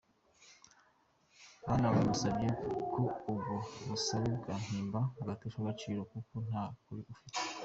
Banamusabye ko ubwo busabe bwa Himbara bwateshwa agaciro kuko nta kuri afite.